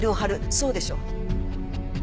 そうでしょ？